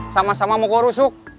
sama sama mokor rusuk